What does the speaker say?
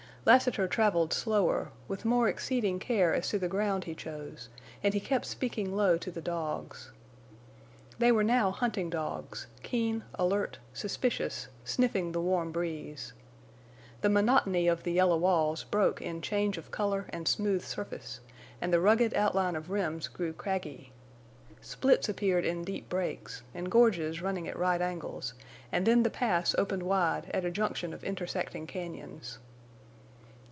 Lassiter traveled slower, with more exceeding care as to the ground he chose, and he kept speaking low to the dogs. They were now hunting dogs—keen, alert, suspicious, sniffing the warm breeze. The monotony of the yellow walls broke in change of color and smooth surface, and the rugged outline of rims grew craggy. Splits appeared in deep breaks, and gorges running at right angles, and then the Pass opened wide at a junction of intersecting cañons.